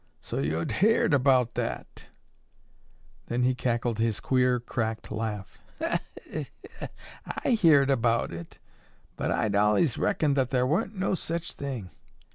"So yo'd heerd tell about that." Then he cackled his queer, cracked laugh. "I heerd about it, but I'd allays reckoned thar wa'n't no sech thing.